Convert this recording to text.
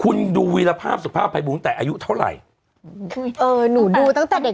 คุณดูวีรภาพสุภาพภัยบูลแต่อายุเท่าไหร่คือเออหนูดูตั้งแต่เด็ก